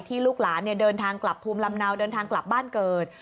ลูกหลานเดินทางกลับภูมิลำเนาเดินทางกลับบ้านเกิด